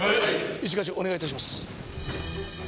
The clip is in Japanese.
一課長お願い致します。